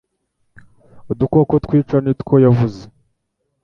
Udukoko twica nitwo yavuze